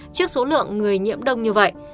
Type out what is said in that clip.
trước số lượng người nhiễm đông như vậy